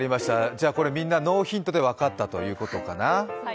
じゃあ、これみんなノーヒントで分かったということかな？